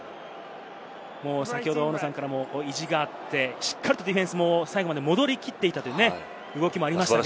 先ほど大野さんからも意地があって、しっかりとディフェンスも最後まで戻りきっていたというね、動きもありましたけど。